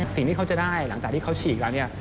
สิ่งที่เขาจะได้หลังจากที่เขาฉีกแล้วเนี่ย